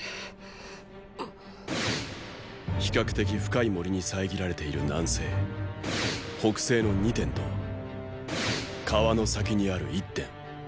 ⁉比較的深い森に遮られている南西北西の二点と川の先にある一点。